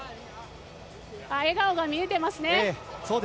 笑顔が見えてますね。